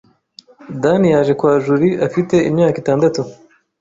Dan yaje kwa Julie afite imyaka itandatu.